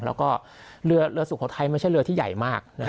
แล้วก็เรือสุโขทัยไม่ใช่เรือที่ใหญ่มาก